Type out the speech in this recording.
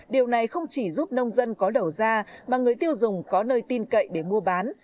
điều này không chỉ giúp nông dân có đầu ra mà người tiêu dùng có nơi tin cậy để mua bán